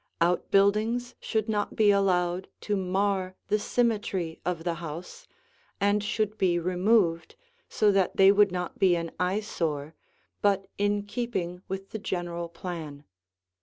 Out buildings should not be allowed to mar the symmetry of the house and should be removed so that they would not be an eyesore but in keeping with the general plan.